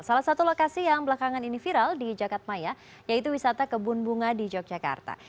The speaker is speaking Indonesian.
salah satu lokasi yang belakangan ini viral di jagadmaya yaitu wisata kebun bunga di yogyakarta